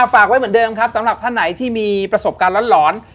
ฝากไว้เหมือนเดิมครับสำหรับท่านไหนที่มีประสบการณ์หลอน